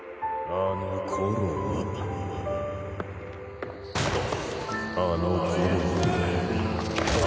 あの頃あの頃